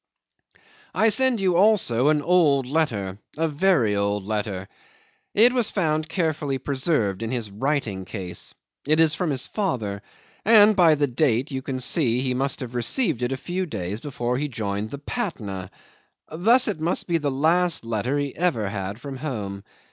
'I send you also an old letter a very old letter. It was found carefully preserved in his writing case. It is from his father, and by the date you can see he must have received it a few days before he joined the Patna. Thus it must be the last letter he ever had from home.